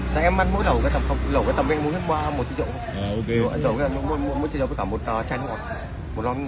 dạ em ăn mỗi lẩu ở tầm lẩu ở tầm em mua hết một chút rượu